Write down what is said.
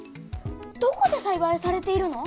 どこでさいばいされているの？